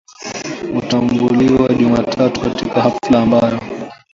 Watatambuliwa Jumatatu katika hafla ambayo